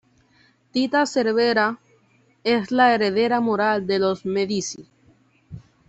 Tita Cervera es la heredera moral de los Medici.